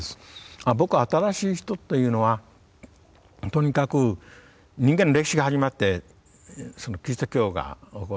僕は「新しい人」というのはとにかく人間の歴史が始まってキリスト教が興る。